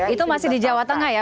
itu masih di jawa tengah ya